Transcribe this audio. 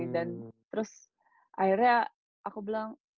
dan terus akhirnya aku bilang